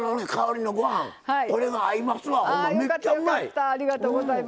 はい。